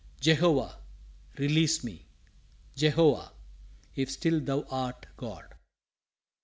Jehovah, release me! Jehovah! if still Thou art God!